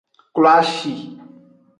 Kloashi.